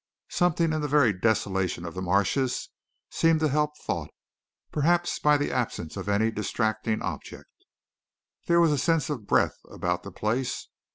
Something in the very desolation of the marshes seemed to help thought, perhaps by the absence of any distracting object. There was a sense of breadth about the place.